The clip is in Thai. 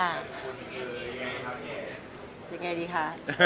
ยังไงดีคะ